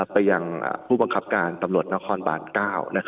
ไปยังผู้บังคับการตำรวจนครบาน๙